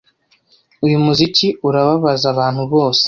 Uyu muziki urababaza abantu bose.